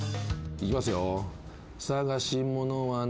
いきますよ。